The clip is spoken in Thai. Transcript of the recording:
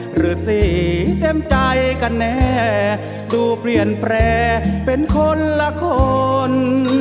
หรือสีเต็มใจกันแน่ดูเปลี่ยนแปรเป็นคนละคน